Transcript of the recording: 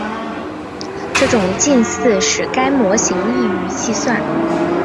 这种近似使该模型易于计算。